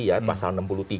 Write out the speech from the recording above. ya pasal enam puluh tiga